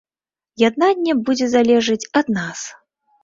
Яднанне будзе залежыць ад нас.